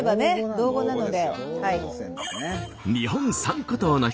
道後なので。